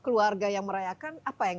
keluarga yang merayakan apa yang